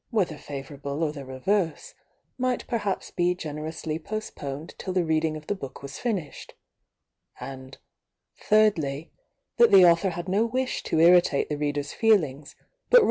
whether favourable or the reverse, might perhaps be ^nerously postponed till the reading of^ZTook was finished, and thirdly, that the Author had no wish to irritate the Reader's feeUngs but rathe?